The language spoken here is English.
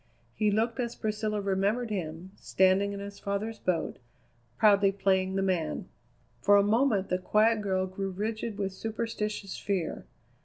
He looked as Priscilla remembered him, standing in his father's boat, proudly playing the man. For a moment the quiet girl grew rigid with superstitious fear.